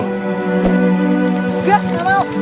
gio sekarang kita putus